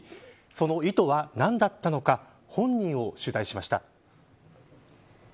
その意図は何だったのか本人を取材しました。